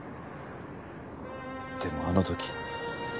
でもあの時。